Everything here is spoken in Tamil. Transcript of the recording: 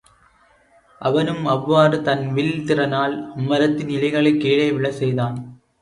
அவனும் அவ்வாறு தன் வில் திறனால் அம்மரத்தின் இலைகளைக் கீழே விழச் செய்தான்.